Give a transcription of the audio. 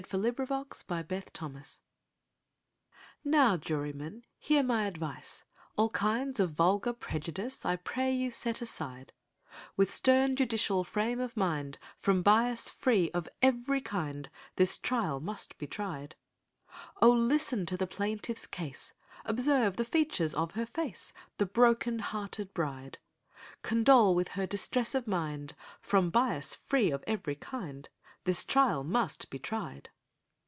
Fal la! THE USHER'S CHARGE NOW, Jurymen, hear my advice— All kinds of vulgar prejudice I pray you set aside: With stern judicial frame of mind— From bias free of every kind, This trial must be tried! Oh, listen to the plaintiff's case: Observe the features of her face— The broken hearted bride! Condole with her distress of mind— From bias free of every kind, This trial must be tried!